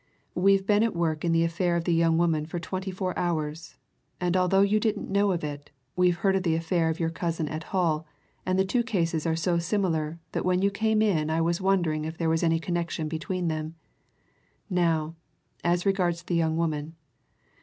"We've been at work in the affair of the young woman for twenty four hours, and although you didn't know of it, we've heard of the affair of your cousin at Hull, and the two cases are so similar that when you came in I was wondering if there was any connection between them. Now, as regards the young woman.